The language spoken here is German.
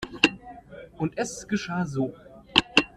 Und es geschah so.